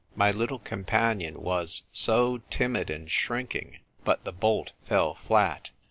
My little companion was so timid and shrinking. But the bolt fell flat.